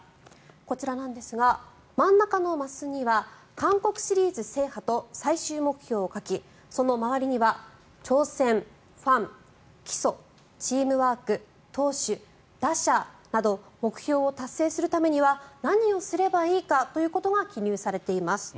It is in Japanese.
こちらなんですが真ん中のマスには韓国シリーズ制覇と最終目標を書きその周りには挑戦、ファン、基礎チームワーク投手、打者など目標を達成するためには何をすればいいかということが記入されています。